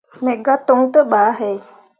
Me gah toŋ te bah he.